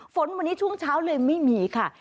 ฝนวันนี้ช่วงเช้าเลยไม่มีค่ะ